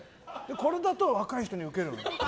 これだと若い人にウケるの。